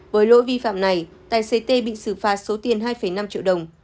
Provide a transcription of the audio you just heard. với lỗi vi phạm này tài xế tê bị xử phạt số tiền hai năm triệu đồng